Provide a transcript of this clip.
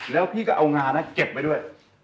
แล้วพี่ก็เอางานะเก็บไว้ด้วย